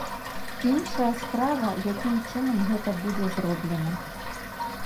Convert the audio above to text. Іншая справа, якім чынам гэта будзе зроблена.